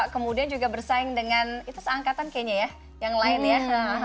kemudian juga bersaing dengan itu seangkatan kayaknya ya yang lain ya